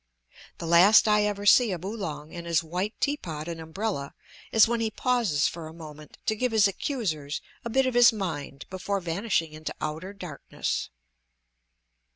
The last I ever see of Oolong and his white tea pot and umbrella is when he pauses for a moment to give his accusers a bit of his mind before vanishing into outer darkness.